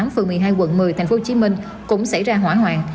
phường một mươi hai quận một mươi tp hcm cũng xảy ra hỏa hoạn